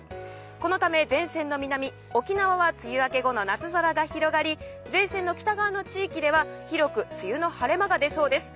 このため、前線の南沖縄は梅雨明け後の夏空が広がり前線の北側の地域では広く梅雨の晴れ間が出そうです。